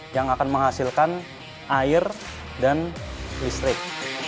yang akan menghasilkan air dan listrik